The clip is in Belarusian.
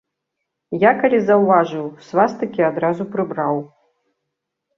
Я, калі заўважыў, свастыкі адразу прыбраў.